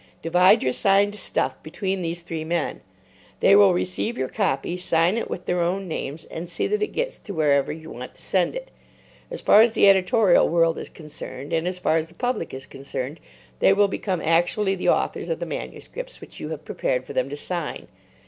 Divide your signed stuff between these three men. They will receive your copy, sign it with their own names, and see that it gets to wherever you want to send it. As far as the editorial world is concerned, and as far as the public is concerned, they will become actually the authors of the manuscripts which you have prepared for them to sign.